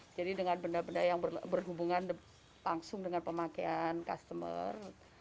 jadi dengan benda benda yang berhubungan langsung dengan pemakaian customer